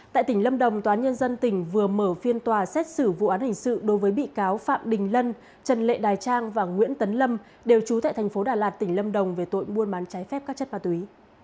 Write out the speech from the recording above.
tại tỉnh lâm đồng tòa án nhân dân tỉnh vừa mở phiên tòa xét xử vụ án hình sự đối với bị cáo phạm đình lân trần lệ đài trang và nguyễn tấn lâm đều trú tại thành phố đà lạt tỉnh lâm đồng về tội buôn bán trái phép các chất ma túy